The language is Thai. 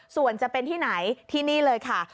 ส่วนจะเป็นที่ไหนที่นี่เลยค่ะ